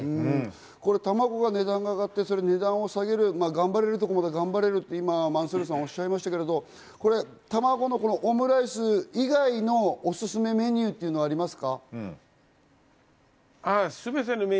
たまごの値段が上がって、値段を下げる、頑張れるところまで頑張ると、マンスールさんはおっしゃいましたけど、たまごのオムライス以外のおすすめメニューっていうのはありますか？